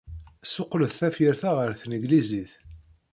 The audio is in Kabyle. Ssuqlet tafyirt-a ɣer tneglizit.